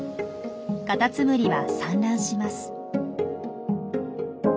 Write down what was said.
カタツムリは産卵します。